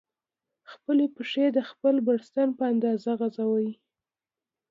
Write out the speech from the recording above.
خپلې پښې د خپل بړستن په اندازه غځوئ.